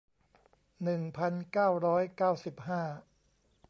หนึ่งพันเก้าร้อยเก้าสิบห้า